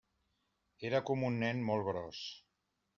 Era com un nen molt gros.